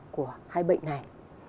của hai bệnh này